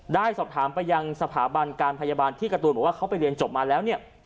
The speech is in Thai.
ได้สอบถามไปยังสถาบันการพยาบาลที่การ์ตูนบอกว่าเขาไปเรียนจบมาแล้วเนี่ย